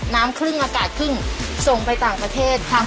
น้ำครึ่งอากาศครึ่งส่งไปต่างประเทศค่ะ